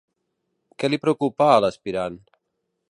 Què li preocupà a l'aspirant?